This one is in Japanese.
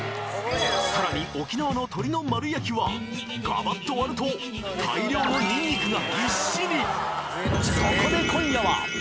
さらに沖縄の鶏の丸焼きはガバッと割ると大量のにんにくがぎっしり！